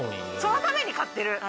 そのために買ってる。